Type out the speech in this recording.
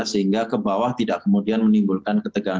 sehingga ke bawah tidak kemudian menimbulkan ketegangan